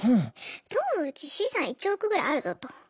どうもうち資産１億ぐらいあるぞと。